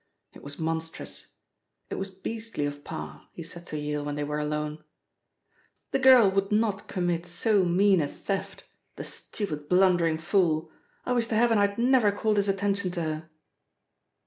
It was monstrous. It was beastly of Parr, he said to Yale when they were alone. "The girl would not commit so mean a theft, the stupid, blundering fool! I wish to heaven I had never called his attention to her."